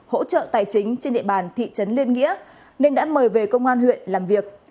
hỗ trợ tài chính trên địa bàn thị trấn liên nghĩa nên đã mời về công an huyện làm việc